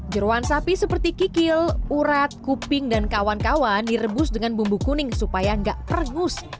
jeruan sapi seperti kikil urat kuping dan kawan kawan direbus dengan bumbu kuning supaya nggak pergus